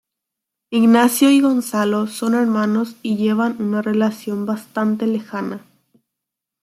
Ignacio y Gonzalo son hermanos y llevan una relación bastante lejana.